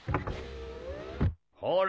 ほれ！